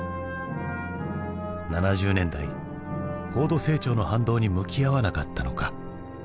７０年代高度成長の反動に向き合わなかったのか？